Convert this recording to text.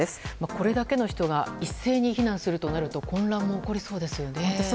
これだけの人が一斉に避難するとなると混乱も起こりそうですよね。